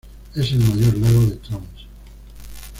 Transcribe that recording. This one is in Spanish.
Es el mayor lago de Troms.